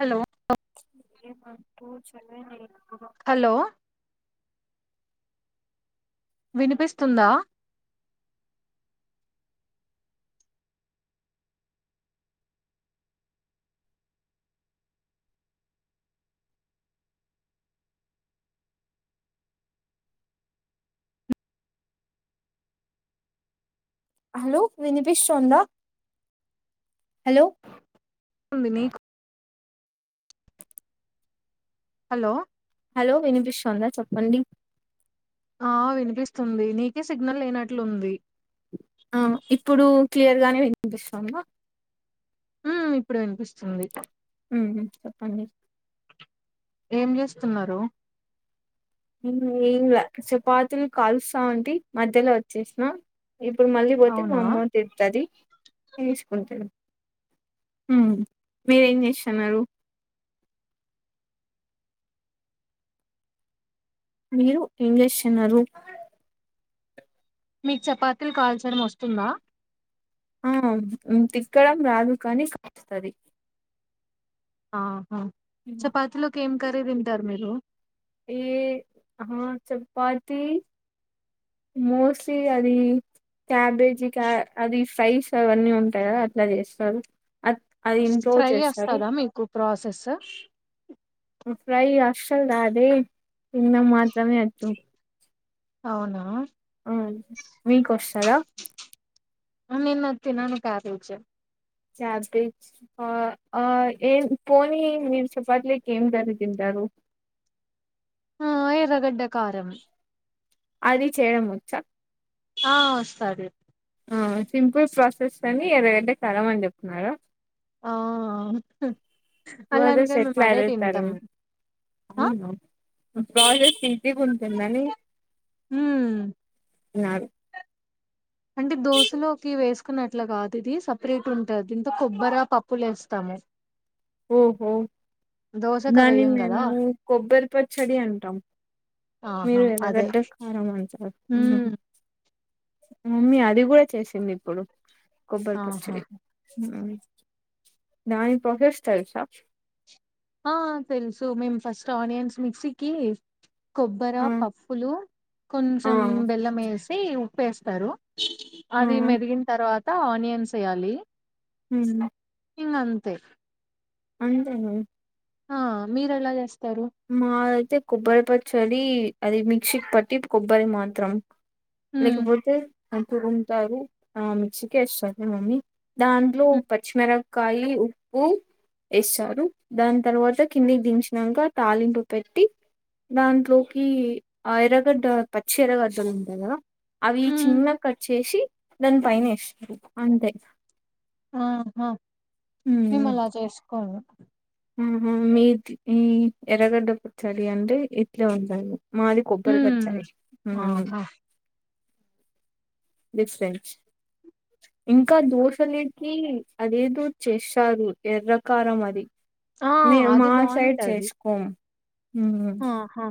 Hello చెన్న [unintelligible] hello వినిపిస్తుందా hello వినపిస్తుంధ hello ఉంది నీకు హలో హలో వినిపిష్ంద చెప్పండి ఆ వినిపిస్తుంది నీకే సిగ్నల్ లేనట్లు ఉంది ఆ ఇప్పుడు క్లియర్ గానే వినిపిస్తాంద ఉ ఇప్పుడు వినిపిస్తుంది చెప్పండి ఏం చేస్తున్నారు ఏంలా చపాతిలు కలుస్తా ఉంటి మధ్యలో వచ్చేసిన ఇప్పుడు మళ్ళీ పోతే మా అవునా అమ్మ తితది వేసుకుంటది మీరేం చేస్తున్నారు మీరు ఏం జెస్తున్నారు మీకు చపాతీలు కాల్చడం వస్తుందా ఆ ఉ తిక్కడం రాదు కానీ [unintelligible] తది ఆహా చపాతిలోకి ఏం కర్రీ తింటారు మీరు ఏ హా చపా తి మోస్ట్లీ అది క్యాబేజీ కా అది ప్రైస్ అవన్నీ ఉంటాయా అట్లా చేస్తారు అట్ ఫ్రై వస్తదా మీకు ప్రాసెస్ ఫ్రై అఅస్సలు రాదే తిన్నం మాత్రమే వచ్చు అవునా ఆ మీకు వస్తాయా అ నేను అది తినను క్యాబేజ్ కాబేజ్ ఆ ఆ ఏ పోనీ మీరు చపాతిలోకి ఏం కర్రీ తింటారు ఉ ఆ ఎర్రగడ్డ కారం అది చేయడం వచ్చా ఆ వస్తాది ఉ సింపుల్ ప్రాసెస్ అని ఎర్రగడ్డ కారం అని చెప్తున్నారా ఆ హు ప్రాసెస్ అలానిగా మేము ఎట్లా అదే అడుగుతారు తింటాము అవును ప్రాజెక్ట్ ఈజీ ఉంటుందని ఉ నాడు కొన్ని అట్లా కాదు ఇది సపరేట్ ఉంటుంది దీంతో కొబ్బరి పప్పులు వేస్తాము ఓహో దోశకు అవి దాని వేయం కదా మేము కొబ్బరి పచ్చడి అంటాం ఆహా మీరు అదే ఎర్రగడ్డ కారం అంటారు ఉమ్ మమ్మీ అది కూడా చేసింది ఇప్పుడు కొబ్బరి ఆహా పచ్చడి దాని ప్రసెస్ తెలుసా ఆ తెలుసు మేము ఫస్ట్ ఆనియన్స్ మిక్సీకి కొబ్బరి ఆ పప్పులు ఆ కొంచెం బెల్లం వేసి ఉప్పు ఏస్తారు ఆ అది మెదిగిన తర్వాత ఆనియన్స్ ఏయాలి ఉ ఇంగ్ అంతే అంతే ఆ మీరెలా చేస్ మాది అయితే కొబ్బరి పచ్చడి అది మిక్సీకి పట్టి కొబ్బరి మాత్రం ఉమ్ లేకపోతే రుబ్బుకుంటారు ఆ మిక్సీకి ఏస్తాది మమ్మీ దాంట్లో ఉమ్ పచ్చిమిర కాయలు ఉప్పు ఏస్తారు దాని తర్వాత కిందికి దించినాంక తాలింపు పెట్టి దాంట్లోకి ఆ ఎర్రగడ్డ పచ్చి ఎర్రగడ్డ ఉంటది కదా అవి ఉమ్, చిన్న కట్ చేసి దాని పైన ఎస్తరు అంతే ఆహా మేములా చేసుకోం ఆహ మీది ఈ ఎరగడ్డ పుచాల అంటే ఇట్లే ఉంటదు మాది కొబ్బరి ఉమ్ కచ్చయి ఆహా బిక్ ఫ్రెంచ ఇంకా దోశలుకి అదేదో చేస్తారు ఎర్రకారం అది ఆ మే అది మా సైడ్ బాగుంటది చేసుకోం ఆహా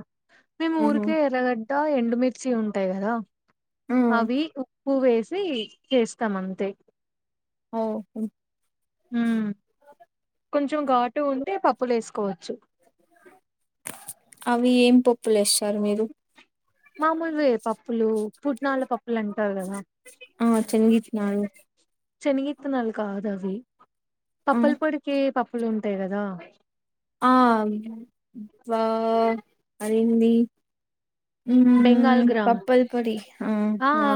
మేము ఊరికే ఎర్రగడ్డ ఎండుమిర్చి ఉంటాయి కదా అవి పువ వేసి చేస్తాం అంతే ఓ ఉమ్ కొంచెం ఘాటు ఉంటే పప్పులు వేసుకోవచ్చు అవి ఏం పప్పులేస్తారు మీరు మామూలువే పప్పులు పుట్నాల పప్పులు అంటారు కదా నడుగు శనగిత్తనాలు కాదు అవి ఆ పప్పలు పొడికే పప్పులు ఉంటాయి కదా ఆ బ అరింది బెంగాల్ గ్రామ్ పప్పల్ పొడి ఆ వా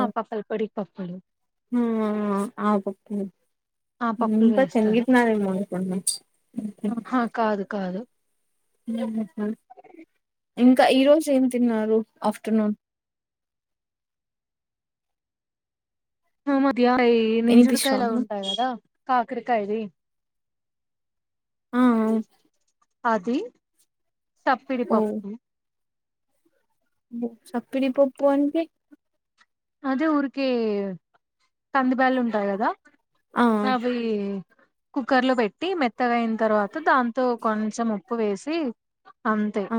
పప్పుడు ఆబ ఆ పప్పులు ఇంకా వేస్తారు తనిగుతున్నారేమో కొ ను ఆహా కాదు కాదు ఆ ఇంకా ఈ రోజు ఏం తిన్నారు ఆఫ్టర్నూన్ మధ్య నింజుడికాయలా వినిపిస్తాందా ఉంటాయి కదా కాకిరకాయది ఆ అది చప్పిడిపప్పు సప్పడి పప్పు అంటంట అదే ఊరికే కందిబేళ ఉంటాయి కదా ఆ అవి కుక్కర్ లో పెట్టి మెత్తగాయిన తర్వాత దాంతో కొంచెం ఉప్పు వేసి అంతే ఆ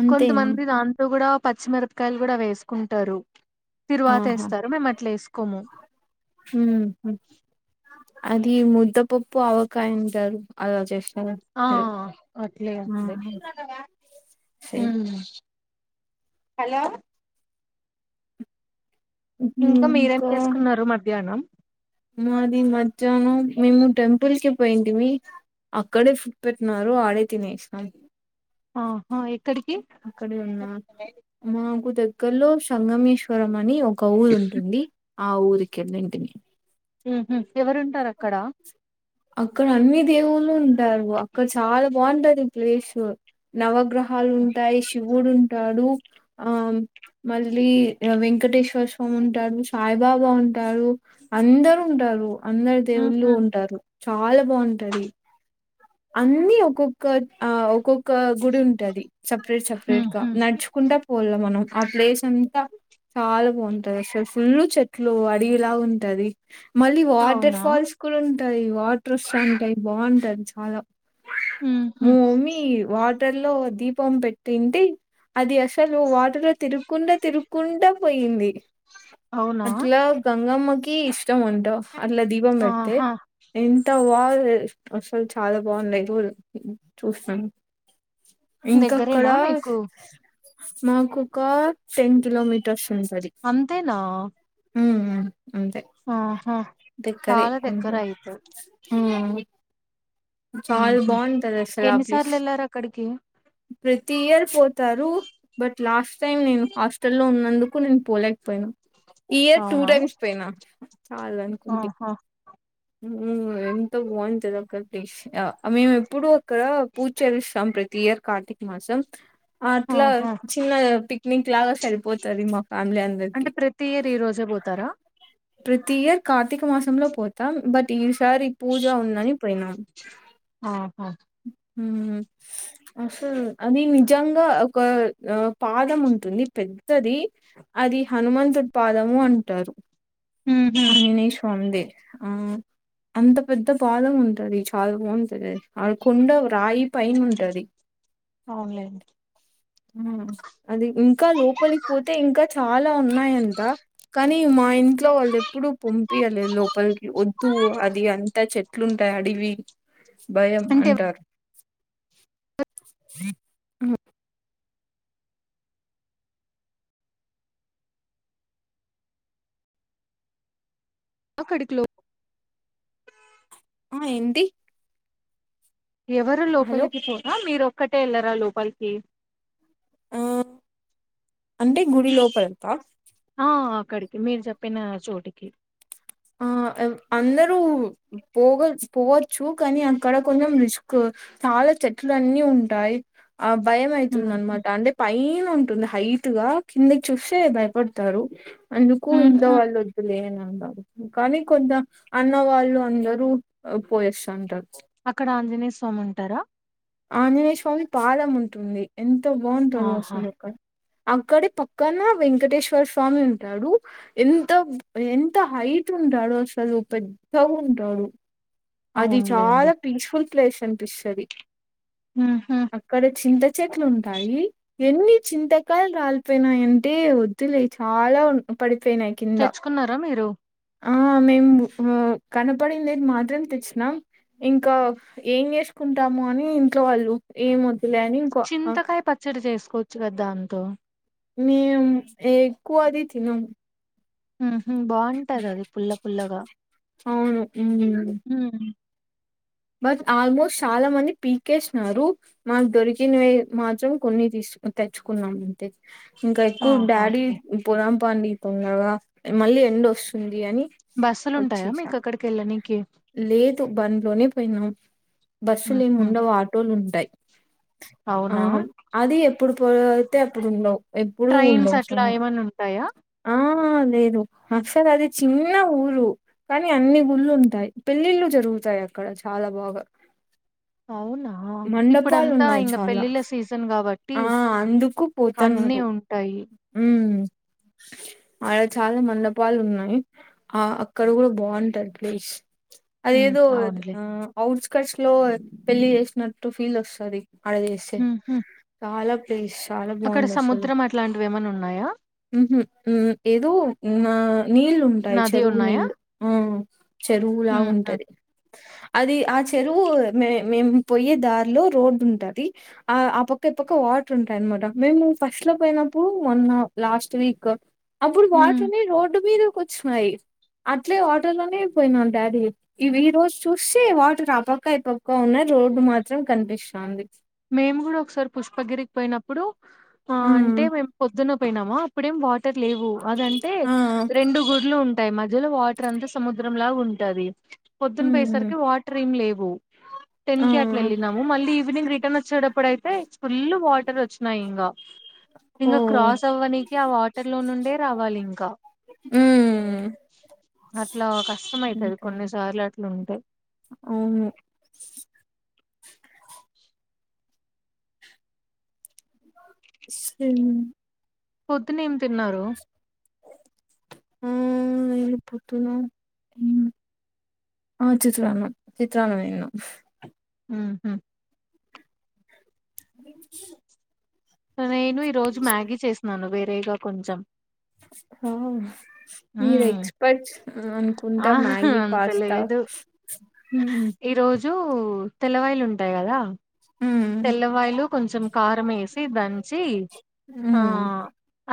అంతేనా కొంతమంది దాంతో కూడా పచ్చిమిరపకాయలు కూడా వేసుకుంటారు తరువాత ఆహా వేస్తారు మేము అట్లా వేసుకోము మ్మ్ హ్మ్ అది ముద్ద పప్పు అవకాయందారు అలాగష్ ఆ అట్లే అలే ఆహా సేమ్ హలో ఇంకా మీరేం చేసుకున్నారు మధ్యాహ్నం మాది మధ్యాహ్నం మేము టెంపుల్ కి పోయింది మీ అక్కడే ఫుట్ పెట్టినన్నారు వాడే తినేసినాం ఆహా ఎక్కడికి అక్కడ ఉన్నా మాకు దగ్గర ద్గలో సంగమేశ్వరం అని ఒక ఊరు ఉంటుంది ఆ ఊరిక వెళంటినే ఎవరుంటారు అక్కడ అక్కడ అన్ని దేవుళ్ళు ఉంటారు అక్కడ చాలా బాగుంటది ప్లేస్ నవగ్రహాలు ఉంటాయి శివుడు ంటాడు ఆ మళ్ళీ వెంకటేశ్వర స్వామి ఉంటాారు సాయిబాబా ఉంటాారు అందరు ఉంటారు అందరు దేవుళ్ళు ఉహు ఉంటారు చాలా బాగుంటది అన్నిీ ఒక్కొక్క ఆ ఒక్కొక్క గుడి ఉంటది సపరేట్ సపరేట్ గా ఉహు నడుచుకుంటా పోాల మనం ఆ ప్లేస్ అంతా చాలా బాగుంటది అసలు ఫుల్ చెట్లు అడివిలా ఉంటది మళ్ళీ వాటర్ అవునా ఫాల్స్ కూడా ఉంటాయి వాటర్స్ అంటాయి బాగుంటది చాలా ఉహు మా మమ్మీ వాటర్ లో దీపం పెట్టింది అది అసలు వాటలో తిరుగకుండా తిరుకుండా పోయింది అవునా అట్లా గంగమ్మకి ఇష్టం ఉంటా అట్లా దీపం పెడితే ఆహా ఎంత వా అసలు చాలా బాగున్నాయి చూస్తాను ఇంకక్కడ దగ్గరేనా మీకు మాకుొ ఒక టెన్ కిలోమీటర్స్ ఉంటది అంతేనా ఉమ్ ఉమ్ అంతే ఆహా దగ్గరే చాలా దగ్గర కొంచెం అయితది చాలు ఉహు బాగుంటది ఆ ప్లేస్ ఎన్నిసార్లు వెళ్లారు అక్కడికి ప్రతి ఇయర్ పోతారు బట్ లాస్ట్ టైమ్ నేను హాస్ట లో ఉన్నందుకు నేను పోలేకపోయినా ఈ ఇయర్ టూ అవునా టైమ్స్ పోయినా చాల అనుకుంది ఆహా ఉ ఎంత వంతద మేము ఎప్పుడు అక్కడ పూజలుస్తాం ప్రతి ఇయర్ కార్తీక మాసం అట్లా ఆహా చిన్న పిక్నిక్ లాగా సరిపోతుంది మా ఫ్యామిలీ అందరికి ర రజే బ ప్రతి ఇయర్ కార్తీక మాసంలో పోతాం బట్ ఈసారి ఈ పూజ ఉందని అ ఆహా అసలు అది నిజంగా ఒక పాదం ఉంటుంది పెద్ద అతుది అది హనుమంతుడు పాదము అంటారు ఉహు అనినే స్వామిది ఆ అంత పెద్ద బాదం ఉంది ంటది చదమ అను కొండ రాయి పైన్ ఉంటది అవునులేండి ఆ అది ఇంకా లోపలికి పోతే ఇంకా చాలా ఉన్నాయంత కానీ మా ఇంట్లో వాళ్ళు ఎప్పుడు పంపి వాళ్ళ లోపలికి వద్దు అది అంత చెట్లు అడివి భయంయం అంటే అంటారు మా కడుకలో ఆ ఏంటి ఎవరు హలో లోపలికి పోనా మీరు ఒక్కటే వెళ్ళరాా లోపలికి ఆ అంటే గుడి లోపలంత ఆ అక్కడికి మీరు చెప్పిన చోటికి ఆ అందరూ పోగ పోవచ్చు కానీ అక్కడ కొంచెం రిస్క్ చెట్లు అన్నీ ఉంటాయి ఆ భయం అవుతుంది ఉహు అనమాట అంటే పైన ఉంట ంది హైట్ గా కిందకి చూస్తే భయపడతారు అందుకు ఇట్ ఉహు వాళ్ళు వద్దులేని కానీ కొంత అన్న వాళ్ళు అందరూ పోయేస్తంటారు అక్కడ ఆంజనేయ స్వామి ఉంటారా ఆంజనేయ స్వామి పాదం ఉంటుంది ఎంతో బాగుంటుంది ఆహా అసలుక్క అక్కడే పక్కన వెంకటేశ్వర స్వామి ఉంటాడు ఎంత ఎంత హై ట్ ఉంటాడు అసలు పెద్ద ఉంటాడు అది అవునులేండి చాలా పీస్ఫుల్ ప్లేస్ అనిపిస్తుంది ఉహు అక్కడ చింత చెట్లు ఉంటాయి ఎన్ని చింతకాలు రాలిపోయినాయంటే వద్దులే చాలా పడి తెచ్చుకున్నారా మీరు ఆ మేము కనపడింది మాత్రం చ్చ ఇంకా ఏం చేసుకుంటాము అని ఇంట్లో వాళ్ళు ఏమ చింతకాయ పచ్చడి చేసుకోవచ్చు కదా దాంతో మేము ఎక్కువది తినము బాగుంటది అది పుల్ల పుల్లగా అవును హ్మ్. బస్ ఆల్మోస్ట్ చాలా మంది పీకేస్న్నారు మాకు దొరికిన మాత్రం కొన్ని తీసు తెచ్చుకున్నామ అంటే ఇంకా ఎక్కువ ఆహా! Daddy okay. పొదంపాండి పొండగా మళ్ళీ ఎండ వస్తుంది అని బస్సులుంటాయా వచ్చసాం మీకక్కడికెళ్ళనీకి? లేదు బంలోనే పోనా బస్సులు ఏమి హుహు. ఉండవు ఆటోలు ఉంటాయి ఆ అవునా? అది ఎప్పుడు పో అయితే అప్పుడు ఉండవు ఎప్పుడు ట్రైన్స్ ఉండవు అట్లా చాలా ఏమన్నుంటాయా? [unintelligible] లేదు అక్సర్ అది చిన్న ఊరు కానీ అన్ని ఊళ్ళు ఉంటాయి పెళ్ళిళ్ళు జరుగుతాయి అ ఇక్కడ చాలా బాగా [unintelligible] అవునా మండపాలు ఇప్పుడంతా ఉన్నాయి ఇంక చాలా పెళ్ళిళ్ళ సీజన్ కాబట్టి ఆ అ అందుకు అన్నీ పోతన్నారు ఉంటాయి ఉమ్ అడ చాలా మండపాలు ఉన్నాయి ఆ అక్కడ కూడా బాగుంటారు ప్లేస్ అద హ్మ్. ఏదో అవునులే. ఆ అఔట్స్కట్స్ లో పెళ్లి చేసినట్టు ఫీల్ వస్తుంది అడదిస్ హుహు. చాలా ప్లేస్ చాలా అక్కడ బాగుంది అసలు సముద్రం అట్లాంటివేమన్నున్నాయా? హుహు. ఏదో నా నీళ్ళు ఉంటాయి నది చెరువు ఉన్నాయా? నీళ్ళు ఆ హుహు. చెరువులాగుంటది అది ఆ చెరువు మే మేము పోయే దారిలో రోడ్ ఉంటుది ఆ ఆ పక్క తప్పక్క వాటర్ ఉంటాయి అనమాట మేము ఫస్ట్ లో పోయినప్పుడు వన్ లాస్ట్ కు అప్పుడు హ్మ్. వాటార్నే రోడ్డు మీద కూ వచ్చన్నాయి అట్లే వాటర్ లోనేయి పోయినా డాడీ ఇవి ఈ రోజు చూసివాటర్ ఆపక్క అయి పక్క ఉన్నది రోడ్డు మాత్రం కనిపిస్తుంది మేము కూడా ఒకసారి పుష్పగిరికి పోయినప్పుడు ఆ అంటే మేము పొద్దున్న పోయినామా అప్పుడేం వాటర్ లేవు అదంటే ఆ! ఆ! రెండు గుడ్లు ఉంట ఉంటాయి మధ్యలో వాటర్ అంతా సముద్రం లాగా ఉంటది పొద్దున హ్మ్. పోయేసరికి వాటర్ ఏమి లేవు టెన్ ఆ! కట్లు వెళ్ళినాము మళ్లీ ఈవినింగ్ ర పక్కన్ వచ్చేటప్పుడు అయితే ఫుల్ వాటర్ వచ్చినాయి ఇంకా ఇంకా ఓహ్! క్రాస్ అవ్వడానికి ఆ వాటర్ లో నుండే రావాలి ఇంకా ఉమ్ అట్లా కష్టమ అవుతుది కొన్నిసార్లు అట్లా ఉంటాయి అఓ [unintelligible] హ [unintelligible] పొద్దున్న ఏం తిన్నారు ఆ నేను ప్రొద్దున ఆ చిత్రనం చిత్రానంమం హమ్ [unintelligible] నేను ఈరోోజు మ్యాగీ చేసినాను వేరేగా కొంచెం హ మీరు మ్మ్. ఎక్స్పర్ట్స్ అనుకుంటా ఆహా మ్యాగీ అంత పాస్తా లేదు రజు తెల్లవాయిలు ఉంటాయి కదా హ్మ్. తెల్లవాయలు కొంచెం కారం వేసి దంచి ఆ హ్మ్.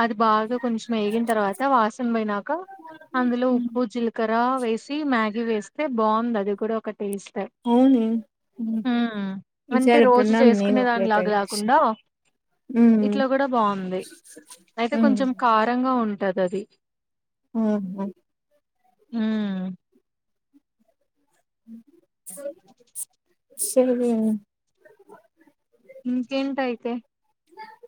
అది బాగా కొంచెం వేగిన తర్వాత వాసన పోయినాక అందులో హ్మ్. ఉప్పు జీలకర్ర వేసి మ్యాగీ వేస్తే బాగుంది అది కూడా ఒక రీస్ట్ అవునే హ్మ్. అంటే ఈసారి రోజు ఎప్పుడన్నా నేను చేసుకునే అట్లే దానిలాగ ట్రై చేస్తా లేకుండా ఉమ్ ఇట్లో కూడా బాగుంది అయితే ఉమ్ కొంచెం కారంగా ఉంటది అది ఆ హ సర ఇంకేంటాయితే